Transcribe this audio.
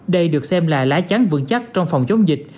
đây được xem là lá trắng vững chắc trong phòng chống dịch